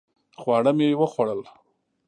خواړه مې وخوړل